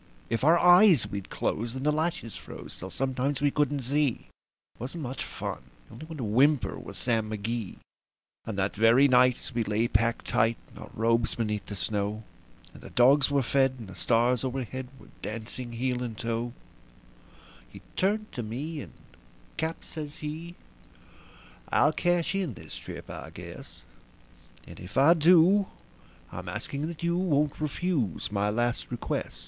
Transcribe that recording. If our eyes we'd close, then the lashes froze till sometimes we couldn't see; It wasn't much fun, but the only one to whimper was Sam McGee. And that very night, as we lay packed tight in our robes beneath the snow, And the dogs were fed, and the stars o'erhead were dancing heel and toe, He turned to me, and "Cap," says he, "I'll cash in this trip, I guess; And if I do, I'm asking that you won't refuse my last request."